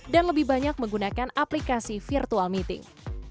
dan lebih banyak menggunakan aplikasi virtual meeting